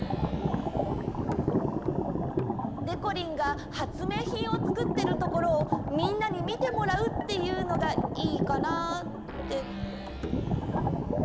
でこりんが発明品をつくってるところをみんなに見てもらうっていうのがいいかなって。